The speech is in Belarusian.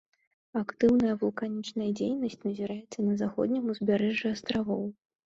Актыўная вулканічная дзейнасць назіраецца на заходнім узбярэжжы астравоў.